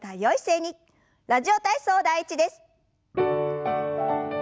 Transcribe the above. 「ラジオ体操第１」です。